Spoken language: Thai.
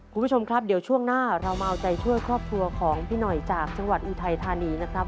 คุณผู้ชมครับเดี๋ยวช่วงหน้าเรามาเอาใจช่วยครอบครัวของพี่หน่อยจากจังหวัดอุทัยธานีนะครับ